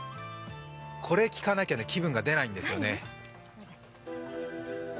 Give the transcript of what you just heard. これ聴かなきゃ気分が出ないんですよね。